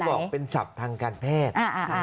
บอกเป็นศัพท์ทางการแพทย์